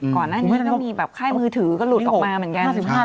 ก่อนหน้านี้มันก็มีแบบค่ายมือถือก็หลุดออกมาเหมือนกัน